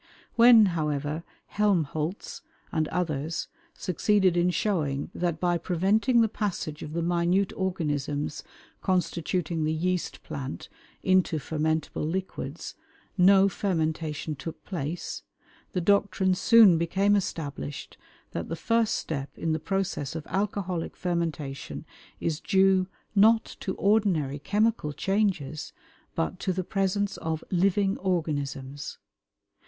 When, however, Helmholtz and others succeeded in showing that by preventing the passage of the minute organisms constituting the yeast plant into fermentable liquids, no fermentation took place, the doctrine soon became established that the first step in the process of alcoholic fermentation is due, not to ordinary chemical changes, but to the presence of living organisms.